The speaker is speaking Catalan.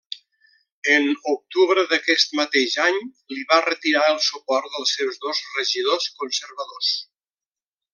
En octubre d'aquest mateix any li va retirar el suport dels seus dos regidors conservadors.